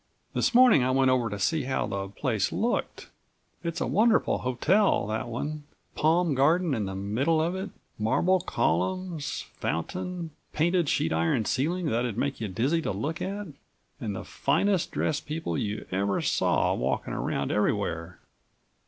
This morning I went over to see how the place looked. It's a wonderful hotel, that one; palm garden in the middle of it, marble columns, fountain, painted sheet iron ceiling that'd make you dizzy to look at, and the finest dressed people you ever saw walking around everywhere.